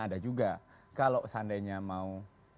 ada juga kalau seandainya mau